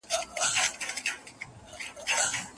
بوډا سترګي کړلي پټي په ژړا سو